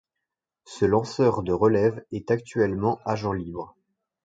Ce lanceur de relève est actuellement agent libre.